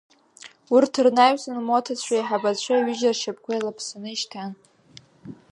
Урҭ рнаҩсан лмоҭацәа еиҳабацәа ҩыџьа ршьапқәа еилаԥсаны ишьҭан.